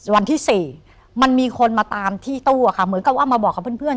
วันที่๔มันมีคนมาตามที่ตู้อะค่ะเหมือนกับว่ามาบอกกับเพื่อน